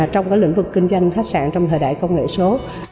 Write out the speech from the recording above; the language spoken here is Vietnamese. trong lĩnh vực kinh doanh khách sạn trong thời đại công nghệ số